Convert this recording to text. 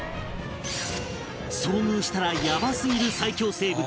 遭遇したらヤバすぎる最恐生物